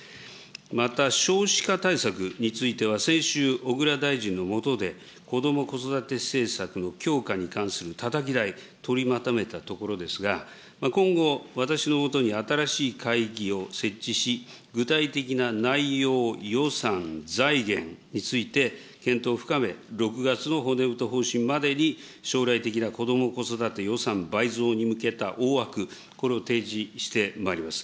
また、少子化対策については、先週、小倉大臣の下で、子ども・子育て政策の強化に関するたたき台、取りまとめたところですが、今後、私の下に新しい会議を設置し、具体的な内容、予算、財源について検討を深め、６月の骨太方針までに将来的な子ども・子育て予算倍増に向けた大枠、これを提示してまいります。